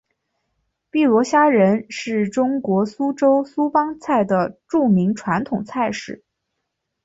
碧螺虾仁是中国苏州苏帮菜的著名传统菜式。